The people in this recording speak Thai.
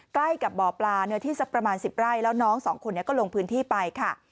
ใกล้กับบ่อปลาเนื้อที่สักประมาณ๑๐ไร่แล้วน้องสองคนนี้ก็ลงพื้นที่ไปค่ะ